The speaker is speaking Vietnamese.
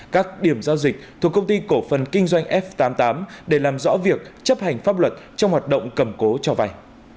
các điểm giao dịch thuộc công ty cổ phần kinh doanh f tám mươi tám để làm rõ việc chấp hành pháp luật trong hoạt động cầm cố cho vay